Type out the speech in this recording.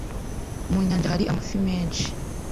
Mu nyanja hari amafi menshi.